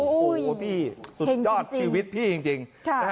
โอ้โหพี่สุดยอดชีวิตพี่จริง